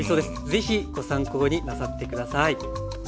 是非ご参考になさって下さい。